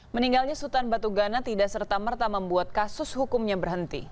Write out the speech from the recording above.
meninggalnya sultan batu gana tidak serta merta membuat kasus hukumnya berhenti